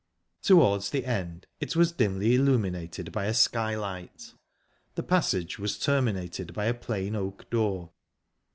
Towards the end it was dimly illuminated by a skylight. The passage was terminated by a plain oak door.